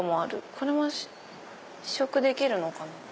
これ試食できるのかな？